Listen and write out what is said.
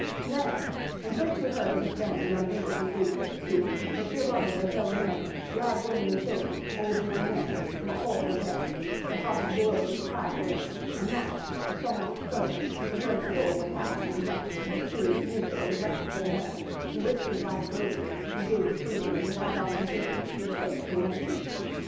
Then, when first she heard of this band of young English enthusiasts, who, for sheer love of their fellow men, dragged women and children, old and young men, from a horrible death, her heart had glowed with pride for them, and now, as Chauvelin spoke, her very soul went out to the gallant and mysterious leader of the reckless little band, who risked his life daily, who gave it freely and without ostentation, for the sake of humanity.